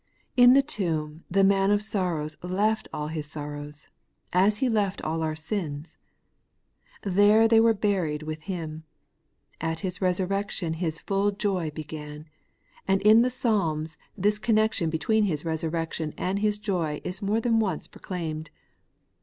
In the tomb the Man of sorrows left all His sorrows, as He left aU our sins. There they were buried with Him. At His resurrection His full joy began ; and in the Psalms this connection between His resurrection and His joy is more than once proclaimed.